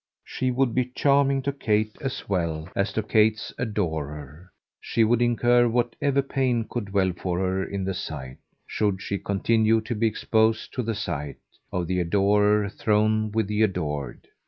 She would be charming to Kate as well as to Kate's adorer; she would incur whatever pain could dwell for her in the sight should she continue to be exposed to the sight of the adorer thrown with the adored.